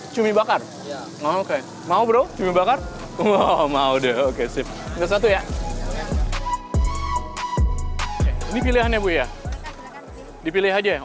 cumi bakar oke mau broiance bakar mau deh mamudaya ini pilihannya iya dipilih aja auf